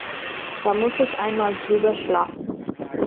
Da muss ich einmal drüber schlafen.